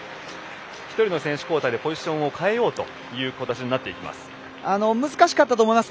１人の選手交代でポジションを変えようという形になっていきます。